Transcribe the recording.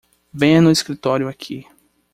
Venha no escritório aqui.